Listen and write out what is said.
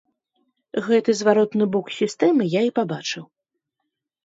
Гэты зваротны бок сістэмы я і пабачыў.